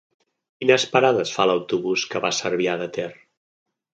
Quines parades fa l'autobús que va a Cervià de Ter?